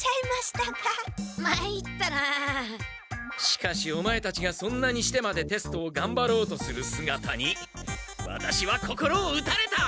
しかしオマエたちがそんなにしてまでテストをがんばろうとするすがたにワタシは心を打たれた！